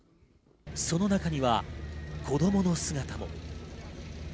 その中には子供の姿も。